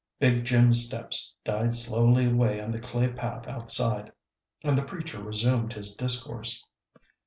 Big Jim's steps died slowly away on the clay path outside, and the preacher resumed his discourse.